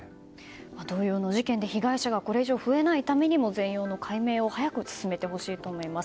同様の事件で被害者がこれ以上増えないためにも全容の解明を早く進めてほしいと思います。